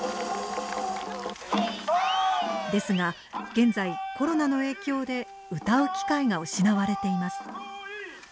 ですが現在コロナの影響で歌う機会が失われています。